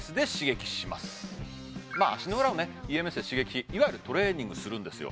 足の裏をねＥＭＳで刺激いわゆるトレーニングするんですよ